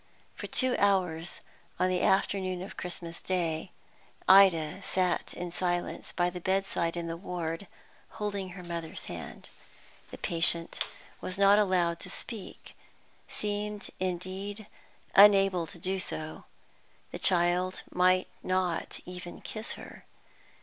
For two hours on the afternoon of Christmas Day, Ida sat in silence by the bedside in the ward, holding her mother's hand. The patient was not allowed to speak, seemed indeed unable to do so. The child might not even kiss her.